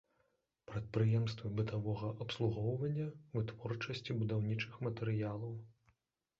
Прадпрыемствы бытавога абслугоўвання, вытворчасці будаўнічых матэрыялаў.